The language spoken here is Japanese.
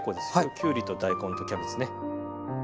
きゅうりと大根とキャベツね。